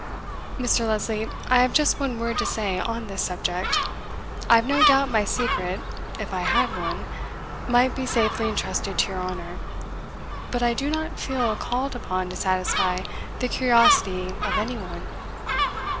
Mr. Lesley, I have just one word to say on this subject I have no doubt my secret, if I had one, might be safely entrusted to your honour, but I do not feel called upon to satisfy the curiosity of any one.